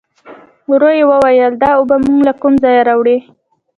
ورو يې وویل: دا اوبه مو له کوم ځايه راوړې؟